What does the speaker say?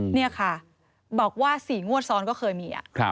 นี่ค่ะบอกว่า๔งวดซ้อนก็เคยมี